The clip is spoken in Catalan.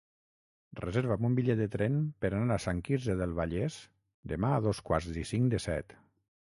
Reserva'm un bitllet de tren per anar a Sant Quirze del Vallès demà a dos quarts i cinc de set.